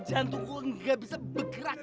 jantungku gak bisa bergerak